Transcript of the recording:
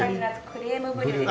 クリームブリュレです。